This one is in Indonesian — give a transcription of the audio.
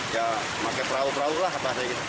ya pakai perahu perahu lah katanya kita